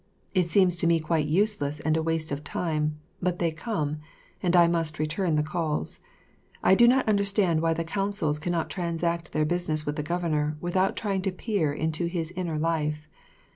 It seems to me quite useless and a waste of time; but they come, and I must return the calls. I do not understand why the consuls cannot transact their business with the Governor without trying to peer into his inner life.